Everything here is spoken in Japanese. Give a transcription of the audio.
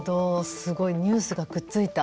すごいニュースがくっついた。